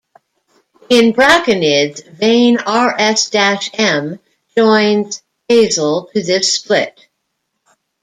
In braconids, vein rs-m joins basal to this split.